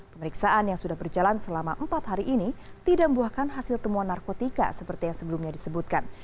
pemeriksaan yang sudah berjalan selama empat hari ini tidak membuahkan hasil temuan narkotika seperti yang sebelumnya disebutkan